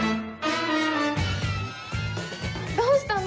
どうしたの？